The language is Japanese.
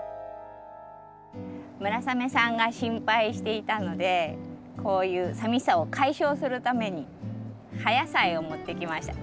村雨さんが心配していたのでこういうさみしさを解消するために葉野菜を持ってきました。